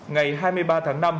ngày hai mươi ba tháng năm